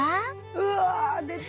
うわあ出た！